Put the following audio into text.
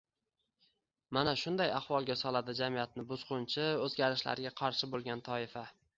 Mana shunaqa ahvolga soladi jamiyatni buzg‘unchi, o‘zgarishlarga qarshi bo‘lgan toifa.